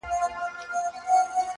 • دُرې به اوري پر مظلومانو -